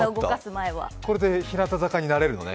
これで日向坂になれるのね。